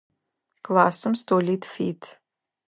Классым столитф ит.